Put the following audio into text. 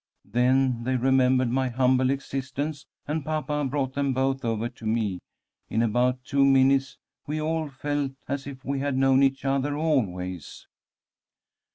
Then they remembered my humble existence, and papa brought them both over to me. In about two minutes we all felt as if we had known each other always.